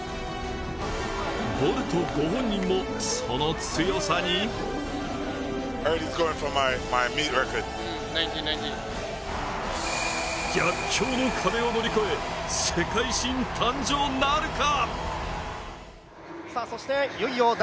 ボルトご本人もその強さに逆境の壁を乗り越え世界新誕生なるか。